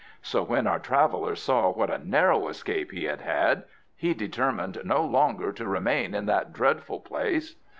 So when our traveller saw what a narrow escape he had had, he determined no longer to remain in that dreadful place.